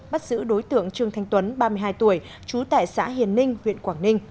bắt giữ đối tượng trương thanh tuấn ba mươi hai tuổi trú tại xã hiền ninh huyện quảng ninh